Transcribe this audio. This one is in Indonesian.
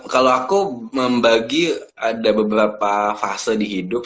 kalau aku membagi ada beberapa fase di hidup